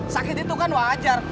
sakit itu kan wajar